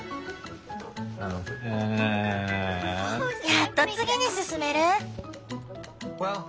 やっと次に進める？